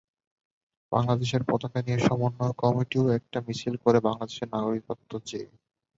বাংলাদেশের পতাকা নিয়ে সমন্বয় কমিটিও একটি মিছিল করে বাংলাদেশের নাগরিকত্ব চেয়ে।